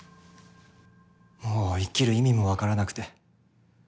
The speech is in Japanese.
もう生きる意味もわからなくて。